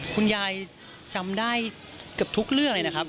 คุณยายจำได้เกือบทุกเรื่องเลยนะครับ